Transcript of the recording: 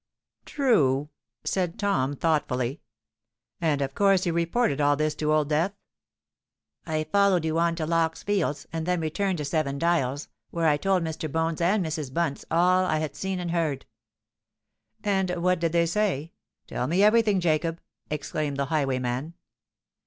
"True!" said Tom thoughtfully. "And of course you reported all this to Old Death?" "I followed you on to Lock's Fields, and then returned to Seven Dials, where I told Mr. Bones and Mrs. Bunce all I had seen and heard." "And what did they say? Tell me every thing, Jacob," exclaimed the highwayman.